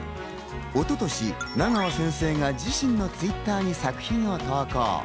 一昨年、奈川先生が自身のＴｗｉｔｔｅｒに作品を投稿。